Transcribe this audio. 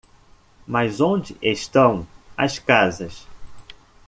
Mas onde estão as casas?